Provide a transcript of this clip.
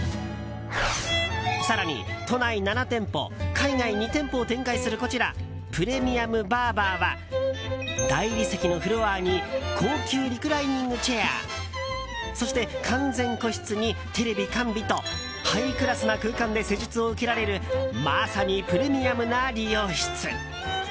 更に、都内７店舗海外２店舗を展開するこちら、プレミアムバーバーは大理石のフロアに高級リクライニングチェアそして完全個室にテレビ完備とハイクラスな空間で施術を受けられるまさにプレミアムな理容室。